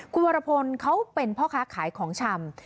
คุณวรพลเขาเป็นพ่อค้าขายของชำ